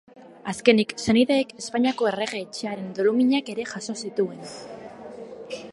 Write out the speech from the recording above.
Azkenik, senideek Espainiako Errege Etxearen doluminak ere jaso zituzten.